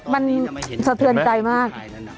มันสะเทือนใจมาก